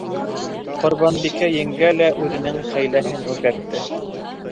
Ҡорбанбикә еңгә лә үҙенең хәйләһен үҙгәртте.